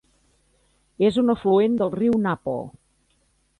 És un afluent del riu Napo.